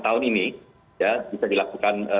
tahun ini ya bisa dilakukan